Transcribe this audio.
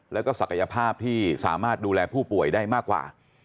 แล้วก็ศักยภาพที่สามารถดูแลผู้ป่วยได้มากกว่า